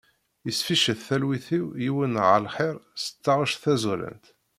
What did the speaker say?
Yesficcet talwit-iw yiwen n ɛelxir s taɣec d tazurant.